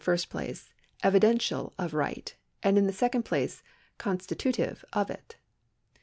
U 306 TITLES [§ 122 place evidential of right, and in the second place constitutive of it.